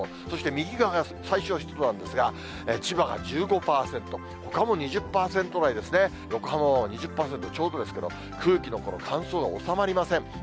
そして右側が最小湿度なんですが、千葉が１５％、ほかも２０％台ですね、横浜も２０％ちょうどですけど、空気の乾燥が収まりません。